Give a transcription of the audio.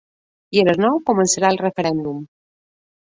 I a les nou començarà el referèndum.